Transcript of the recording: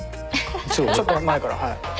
ちょっと前からはい。